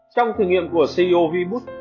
trong thử nghiệm của ceo vboot